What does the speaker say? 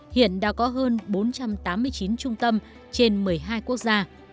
hiện đã có hơn bốn trăm tám mươi chín trung tâm trên một mươi hai quốc gia